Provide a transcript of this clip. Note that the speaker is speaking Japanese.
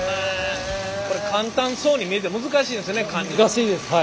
これ簡単そうに見えて難しいんですよね。